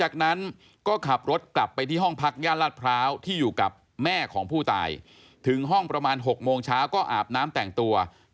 ก็อาบน้ำแต่งตัว